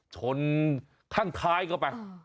ชนข้างท้ายเข้าไป